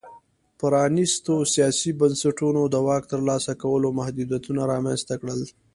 پرانیستو سیاسي بنسټونو د واک ترلاسه کولو کې محدودیتونه رامنځته کړل.